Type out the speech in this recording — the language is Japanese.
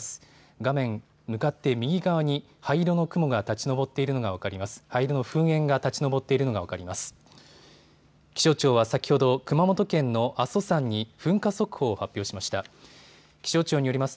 画面向かって右側に灰色の雲が立ち上っているのが分かります。